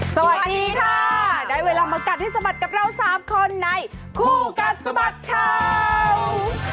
สวัสดีค่ะได้เวลามากัดให้สมัติกับเรา๓คนในคู่กัดสมัติครับ